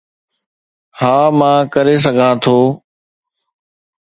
ها، مان ڪري سگهان ٿو.